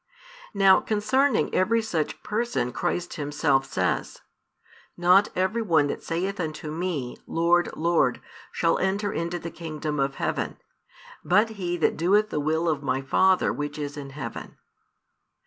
Now concerning every such person Christ Himself says: Not every one that saith unto Me, Lord, Lord, shall enter into the kingdom of heaven: but he that doeth the will of My Father Which is in heaven.